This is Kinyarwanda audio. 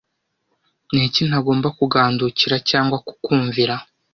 niki ntagomba kugandukira cyangwa kukumvira